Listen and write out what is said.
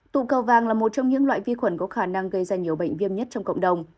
tụ cầu vàng là một trong những loại vi khuẩn có khả năng gây ra nhiều bệnh viêm nhất trong cộng đồng